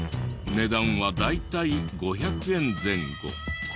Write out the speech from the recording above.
値段は大体５００円前後。